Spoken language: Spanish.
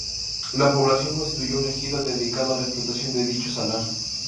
La población constituyó un ejido dedicado a la explotación de dicho salar.